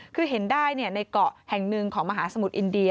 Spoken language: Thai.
คือเห็นได้ในเกาะแห่งหนึ่งของมหาสมุทรอินเดีย